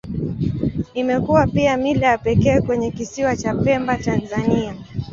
Imekuwa pia mila ya pekee kwenye Kisiwa cha Pemba, Tanzania.